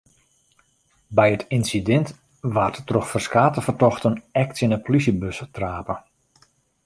By it ynsidint waard troch ferskate fertochten ek tsjin de polysjebus trape.